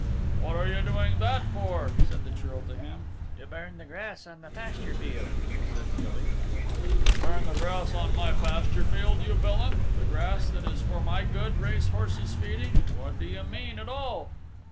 "What are you doing that for?" said the Churl to him. "To burn the grass on the pasture field," said Gilly. "To burn the grass on my pasture field, you villain the grass that is for my good race horse's feeding! What do you mean, at all?"